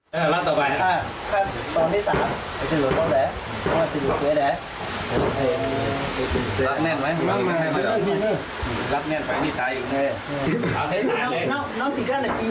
สามทางที่สองน้องเขาเสี่ยชีวิตไปแล้ว